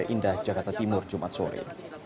indah jakarta timur jumat sore